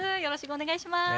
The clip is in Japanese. お願いします。